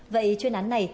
vậy chuyên án này